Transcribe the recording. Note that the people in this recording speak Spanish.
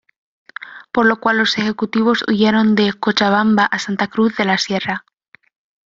Por lo cual los ejecutivos huyeron de Cochabamba a Santa Cruz de la Sierra.